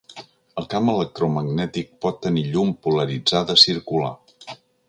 El camp electromagnètic pot tenir llum polaritzada circular.